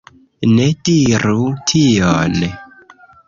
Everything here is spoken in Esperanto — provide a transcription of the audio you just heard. Ne diru tion